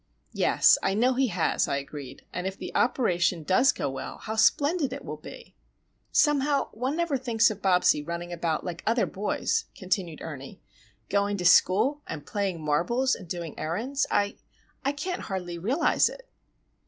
"Yes; I know he has," I agreed. "And if the operation does go well,—how splendid it will be!" "Somehow one never thinks of Bobsie running about like other boys," continued Ernie,—"going to school, and playing marbles, and doing errands. I,—I can't hardly realise it."